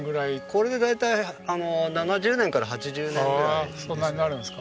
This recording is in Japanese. これで大体７０年から８０年ぐらいです。